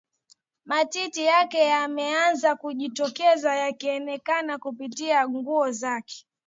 matiti yake yameanza kujitokeza yakionekana kupitia nguo yake